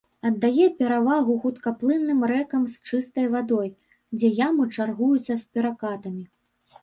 Аддае перавагу хуткаплынным рэкам з чыстай вадой, дзе ямы чаргуюцца з перакатамі.